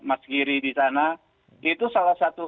mas giri di sana itu salah satu